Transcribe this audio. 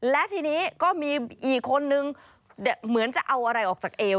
และทีนี้ก็มีอีกคนนึงเหมือนจะเอาอะไรออกจากเอว